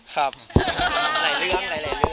หนึ่ง